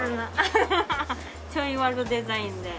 ハハハッちょいワルデザインで。